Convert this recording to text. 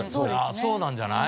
ああそうなんじゃない？